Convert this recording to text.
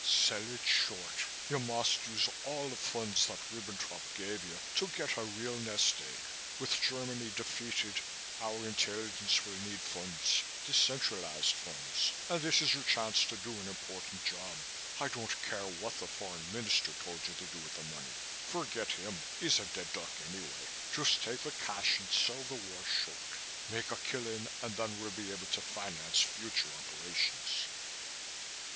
Sell it short! You must use all the funds that Ribbentrop gave you to get a real nest egg. With Germany defeated, our intelligence will need funds decentralized funds and this is your chance to do an important job. I don't care what the Foreign Minister told you to do with the money. Forget him he's a dead duck, anyway. Just take the cash and sell the war short. Make a killing and then we'll be able to finance future operations."